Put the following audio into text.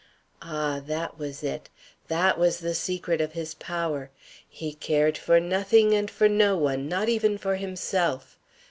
"Ah, that was it! That was the secret of his power. He cared for nothing and for no one, not even for himself.